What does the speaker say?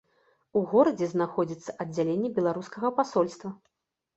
У горадзе знаходзіцца аддзяленне беларускага пасольства.